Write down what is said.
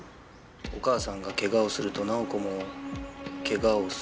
お母さんがケガをすると奈緒子もケガをする。